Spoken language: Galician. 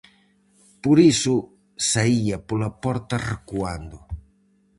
Por iso saía pola porta recuando.